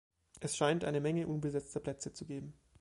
Es scheint eine Menge unbesetzter Plätze zu geben.